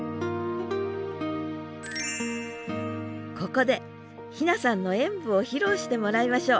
ここで妃那さんの演舞を披露してもらいましょう！